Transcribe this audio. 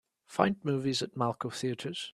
Find the movies at Malco Theatres.